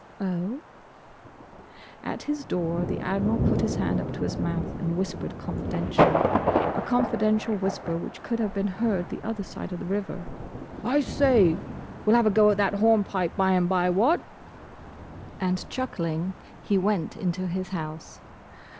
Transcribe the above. "Oh?" At his door the Admiral put his hand up to his mouth and whispered confidentially—a confidential whisper which could have been heard the other side of the river—"I say!—We 'll have a go at that horn pipe by and by—what?" And chuckling he went into his house.